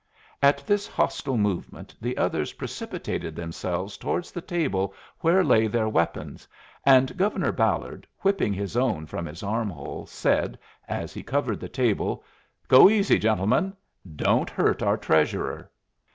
At this hostile movement the others precipitated themselves towards the table where lay their weapons, and Governor Ballard, whipping his own from his armhole, said, as he covered the table: "Go easy, gentlemen! Don't hurt our Treasurer!"